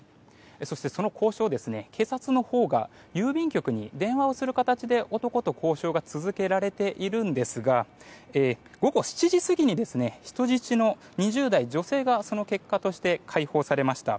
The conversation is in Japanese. そして、その交渉は警察のほうが郵便局に電話をする形で交渉が続けられているんですが午後７時過ぎに人質の２０代女性がその結果として解放されました。